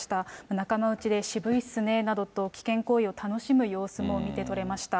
仲間内で渋いっすねなどと、危険行為を楽しむ様子も見て取れました。